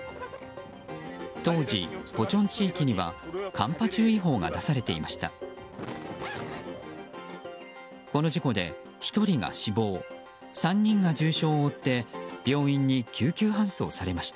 当時、ポチョン地域には寒波注意報が出されていました。